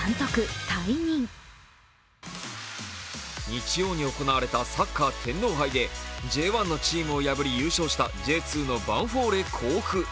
日曜に行われたサッカー天皇杯でＪ１のチームを破り優勝したＪ２のヴァンフォーレ甲府。